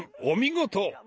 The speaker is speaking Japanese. お見事！